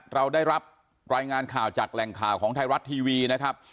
เราได้รับรายงานข่าวจากแหล่งข่าวของไทยรัฐทีวีนะครับ